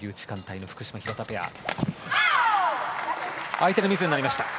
相手のミスになりました。